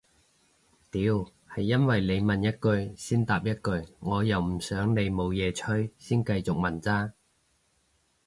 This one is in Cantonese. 屌係因為你問一句先答一句我又唔想你冇嘢吹先繼續問咋